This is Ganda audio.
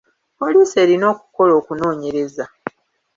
Poliisi erina okukola okunoonyeraza.